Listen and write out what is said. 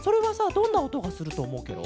どんなおとがするとおもうケロ？